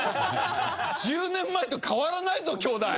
１０年前と変わらないぞ姉弟！